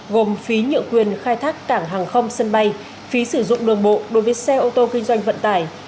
gồm phí nhựa quyền khai thác cảng hàng không sân bay phí sử dụng đường bộ đối với xe ô tô kinh doanh vận tải